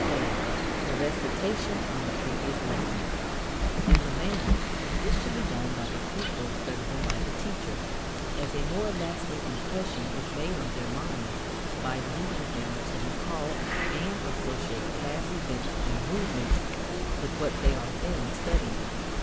(a) The Recitation on the Previous Lesson. In the main, this should be done by the pupils rather than by the teacher, as a more lasting impression is made on their minds by leading them to recall and associate past events and movements with what they are then studying.